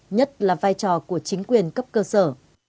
nhất là vai trò của chính quyền cấp cơ sở